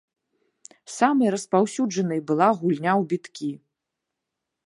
Самай распаўсюджанай была гульня ў біткі.